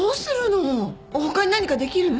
他に何かできる？